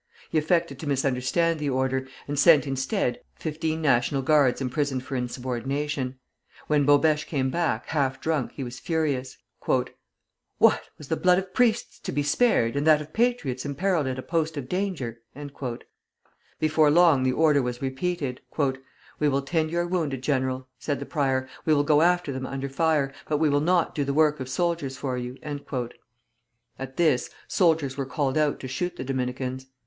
He affected to misunderstand the order, and sent, instead, fifteen National Guards imprisoned for insubordination. When Bobêche came back, half drunk, he was furious. "What! was the blood of priests to be spared, and that of patriots imperilled at a post of danger?" Before long the order was repeated. "We will tend your wounded, General," said the prior, "we will go after them under fire, but we will not do the work of soldiers for you." At this, soldiers were called out to shoot the Dominicans.